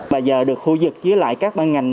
bây giờ được khu dịch với lại các băng ngành